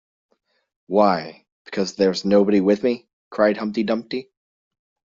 ‘Why, because there’s nobody with me!’ cried Humpty Dumpty.